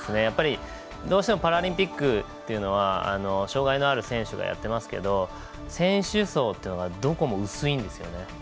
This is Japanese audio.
やっぱり、どうしてもパラリンピックというのは障がいのある選手がやってますけど選手層というのがどこも薄いんですよね。